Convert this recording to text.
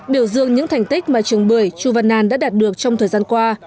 biểu dương những thành tích mà trường bưởi chu văn an đã đạt được trong thời gian qua